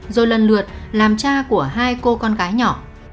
rồi lần lượt làm cha của hai cô con gái nhỏ